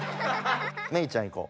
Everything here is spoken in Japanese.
メイちゃんいこう。